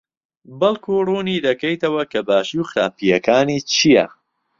بەڵکو ڕوونی دەکەیتەوە کە باشی و خراپییەکانی چییە؟